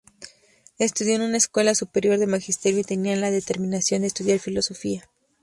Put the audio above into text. Estudió en una escuela superior de magisterio y tenía la determinación de estudiar filosofía.